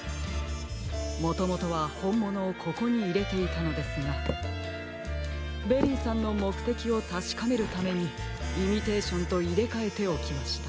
もともとはほんものをここにいれていたのですがベリーさんのもくてきをたしかめるためにイミテーションといれかえておきました。